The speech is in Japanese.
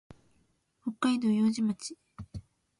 北海道様似町